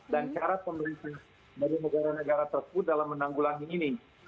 dan cara pemimpin dari negara negara tersebut dalam menanggulangi ini